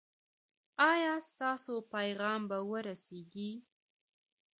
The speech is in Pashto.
ایا ستاسو پیغام به ورسیږي؟